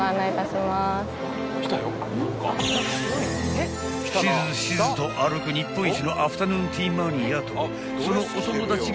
［しずしずと歩く日本一のアフタヌーンティーマニアとそのお友達がご来店］